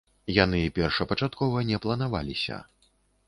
Яны першапачаткова не планаваліся.